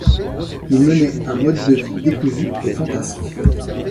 Il menait un mode de vie décousu et fantasque.